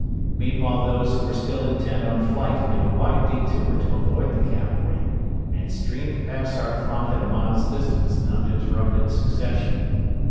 Meanwhile those who were still intent on flight made a wide detour to avoid the cavalry, and streamed past our front at a mile's distance in uninterrupted succession.